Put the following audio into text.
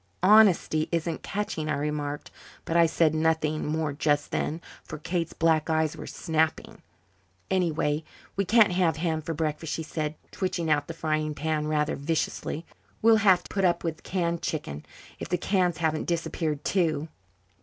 "Honesty isn't catching," I remarked, but I said nothing more just then, for Kate's black eyes were snapping. "Anyway, we can't have ham for breakfast," she said, twitching out the frying pan rather viciously. "We'll have to put up with canned chicken if the cans haven't disappeared too."